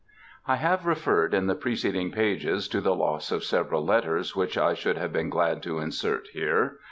I have referred in the preceding pages to the loss of several letters, which I should have been glad to insert here.